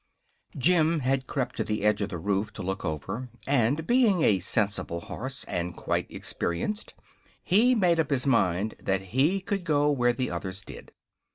Jim had crept to the edge of the roof to look over, and being a sensible horse and quite experienced, he made up his mind that he could go where the others did.